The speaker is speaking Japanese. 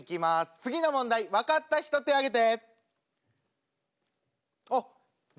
次の問題分かった人手挙げて。